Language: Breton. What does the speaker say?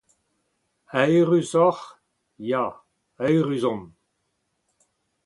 Eürus oc'h ? Ya, eürus omp.